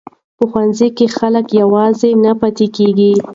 په ښوونځي کې خلک یوازې نه پاتې کیږي.